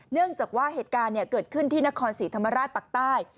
เนื่องจากว่าเหตุการณ์เกิดขึ้นที่นครศรีธรรมราชปักใต้